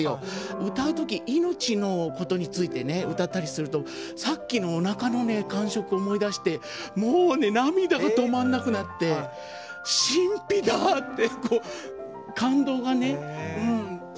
歌う時命のことについてね歌ったりするとさっきのおなかの感触を思い出してもうね涙が止まんなくなって「神秘だ！」って感動がね。